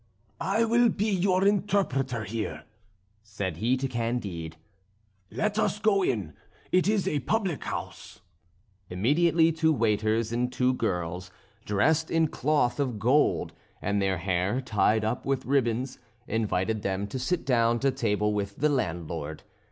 "I will be your interpreter here," said he to Candide; "let us go in, it is a public house." Immediately two waiters and two girls, dressed in cloth of gold, and their hair tied up with ribbons, invited them to sit down to table with the landlord.